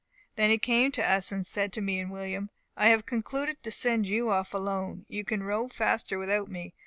Then he came to us, and said to me and William, 'I have concluded to send you off alone; you can row faster without me.